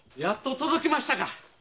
やっと届きましたか。